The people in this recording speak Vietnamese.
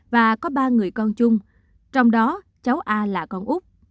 và có ba người con chung trong đó cháu a là con úc